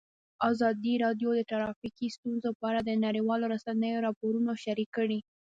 ازادي راډیو د ټرافیکي ستونزې په اړه د نړیوالو رسنیو راپورونه شریک کړي.